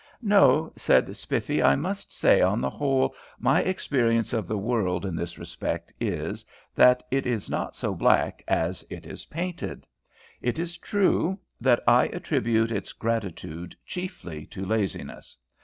"No," said Spiffy. "I must say on the whole my experience of the world in this respect is, that it is not so black as it is painted. It is true that I attribute its gratitude chiefly to laziness.